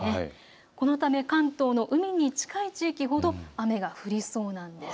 このため関東の海に近い地域ほど雨が降りそうなんです。